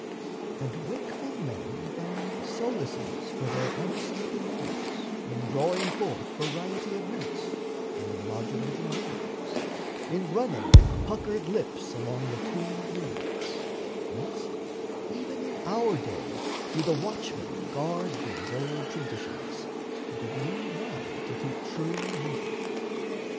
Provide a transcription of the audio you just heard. And wakeful men Found solaces for their unsleeping hours In drawing forth variety of notes, In modulating melodies, in running With puckered lips along the tuned reeds, Whence, even in our day do the watchmen guard These old traditions, and have learned well To keep true measure.